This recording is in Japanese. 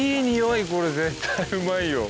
これ絶対うまいよ。